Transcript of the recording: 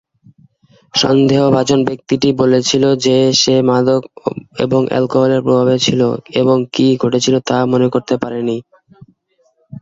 সন্দেহভাজন ব্যক্তি টি বলেছিল যে সে "মাদক এবং অ্যালকোহলের প্রভাবে" ছিল এবং কী ঘটেছিল তা মনে করতে পারেনি।